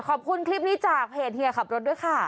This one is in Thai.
ขอบคุณคลิปนี้จากเพจเฮียขับรถด้วยค่ะ